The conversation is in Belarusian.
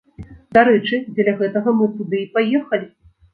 Дарэчы, дзеля гэтага мы туды і паехалі.